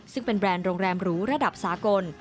ซึ่งเป็นแบรนด์โรงแรมหรูระดับสากล